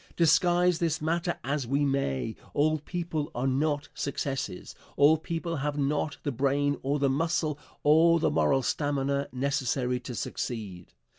Disguise this matter as we may, all people are not successes, all people have not the brain or the muscle or the moral stamina necessary to succeed.